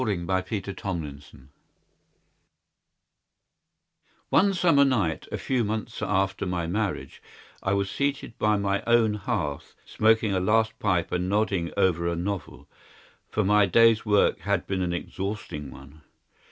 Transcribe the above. The Crooked Man One summer night, a few months after my marriage, I was seated by my own hearth smoking a last pipe and nodding over a novel, for my day's work had been an exhausting one.